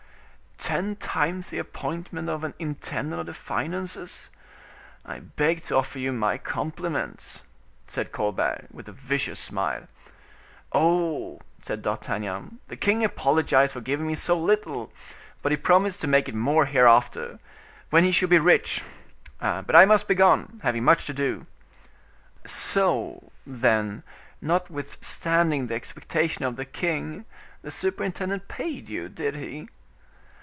"Ten times the appointment of an intendant of the finances. I beg to offer you my compliments," said Colbert, with a vicious smile. "Oh!" said D'Artagnan, "the king apologized for giving me so little; but he promised to make it more hereafter, when he should be rich; but I must be gone, having much to do—" "So, then, notwithstanding the expectation of the king, the superintendent paid you, did he?"